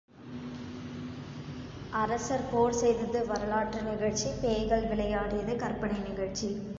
அரசர் போர் செய்தது வரலாற்று நிகழ்ச்சி, பேய்கள் விளையாடியது கற்பனை நிகழ்ச்சி.